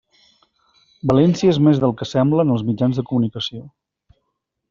València és més del que sembla en els mitjans de comunicació.